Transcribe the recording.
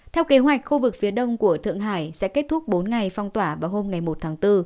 theo kế hoạch khu vực phía đông của thượng hải sẽ kết thúc bốn ngày phong tỏa vào hôm một tháng bốn